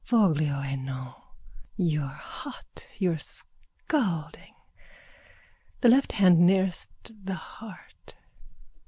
Voglio e non._ You're hot! You're scalding! The left hand nearest the heart.